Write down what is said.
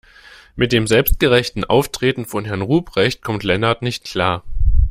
Mit dem selbstgerechten Auftreten von Herrn Ruprecht kommt Lennart nicht klar.